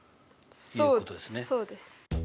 そうですそうです。